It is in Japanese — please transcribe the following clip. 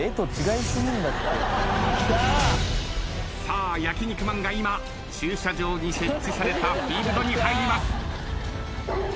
さあ焼肉マンが今駐車場に設置されたフィールドに入ります。